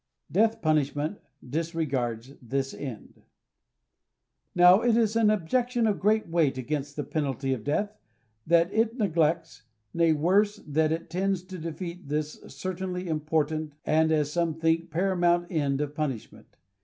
DEATH PUNISHMENT DISREGARDS THIS END. Now, it is an objection of great weight against the penalty of death, that it neglects, nay, worse, that it tends to defeat this 12 certainly important, and, as some think, paramount end of pun ishment.